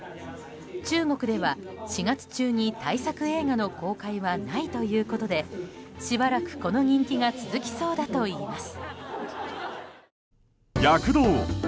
中国では４月中に大作映画の公開はないということでしばらく、この人気が続きそうだといいます。